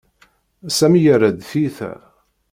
Sami yerra-d tiyita.